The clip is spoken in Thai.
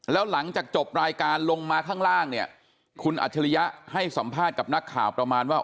แล้วหลังจากจบรายการลงมาข้างล่างเนี่ยคุณอัจฉริยะให้สัมภาษณ์กับนักข่าวประมาณว่า